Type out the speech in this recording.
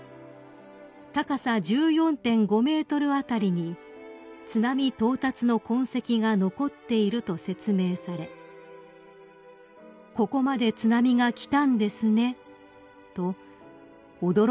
［高さ１４．５ｍ辺りに津波到達の痕跡が残っていると説明され「ここまで津波が来たんですね」と驚かれたといいます］